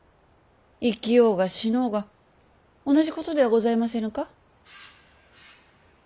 生きようが死のうが同じことではございませぬか？